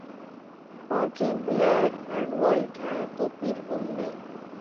آنکھیں ’ black and white ‘ ہیں تو پھر ان میں